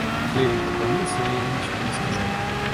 Левин поклонился ей и ничего не сказал.